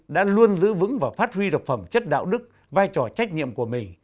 đã luôn giữ vững và phát huy độc phẩm chất đạo đức vai trò trách nhiệm của mình